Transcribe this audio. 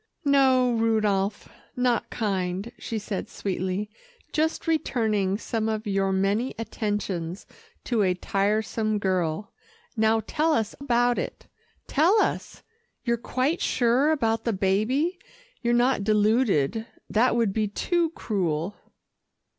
"No, Rudolph, not kind," she said sweetly. "Just returning some of your many attentions to a tiresome girl. Now, tell us about it tell us. You're quite sure about the baby, you're not deluded that would be too cruel."